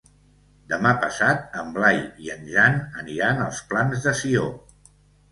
Demà passat en Blai i en Jan aniran als Plans de Sió.